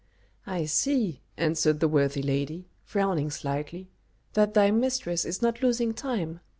"I see," answered the worthy lady, frowning slightly, "that thy mistress is not losing time.